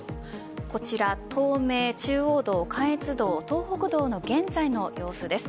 こちら東名、中央道、関越道東北道の現在の様子です。